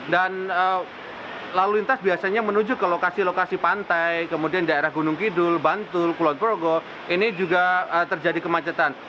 dan lalu lintas biasanya menuju ke lokasi lokasi pantai kemudian daerah gunung kidul bantul kulon progo ini juga terjadi kemacetan